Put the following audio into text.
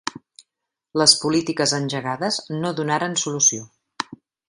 Les polítiques engegades no donaren solució.